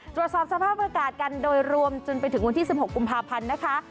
ตรวจสอบสภาพอากาศกันโดยรวมจนไปถึงวันที่๑๖กุมภาพันธ์นะคะ